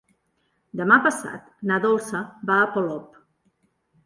Demà passat na Dolça va a Polop.